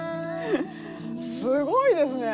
すごいですね。